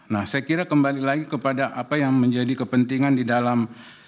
nah saya kira kembali lagi kepada apa yang menjadi kepentingan di dalam